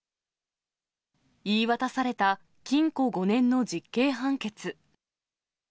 言い渡された禁錮５年の実刑判決。